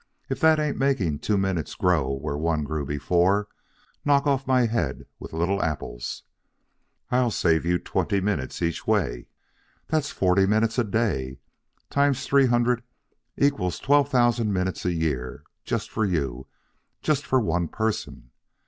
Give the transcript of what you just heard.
If that ain't making two minutes grow where one grew before, knock off my head with little apples. I'll save you twenty minutes each way. That's forty minutes a day, times three hundred, equals twelve thousand minutes a year, just for you, just for one person.